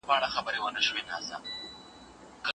طبيعي نړۍ د عجايبو ډکه ده.